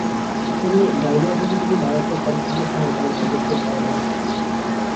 তবে ডায়রিয়া থেকে যদি মারাত্মক পানিশূন্যতা হয়, তবে তা মৃত্যুর কারণও হতে পারে।